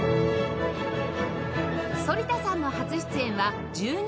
反田さんの初出演は１２歳の時